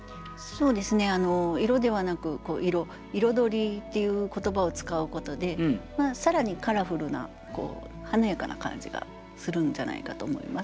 そうですね「色」ではなく「彩」「彩り」っていう言葉を使うことで更にカラフルな華やかな感じがするんじゃないかと思います。